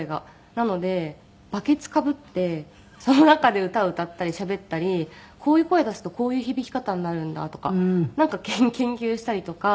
なのでバケツかぶってその中で歌を歌ったりしゃべったりこういう声出すとこういう響き方になるんだとかなんか研究したりとか。